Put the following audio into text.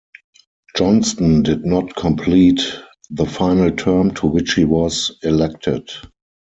Johnston did not complete the final term to which he was elected.